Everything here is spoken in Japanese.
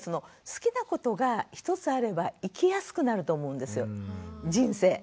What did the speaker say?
好きなことが１つあれば生きやすくなると思うんですよ人生。